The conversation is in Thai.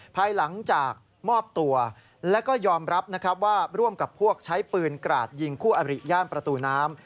ภายหลังจากมอบตัวแล้วก็ยอมรับนะครับว่าร่วมกับพวกใช้ปืนกราดยิงคู่อริย่านประตูน้ำ